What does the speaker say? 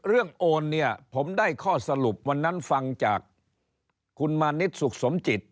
โอนเนี่ยผมได้ข้อสรุปวันนั้นฟังจากคุณมานิดสุขสมจิต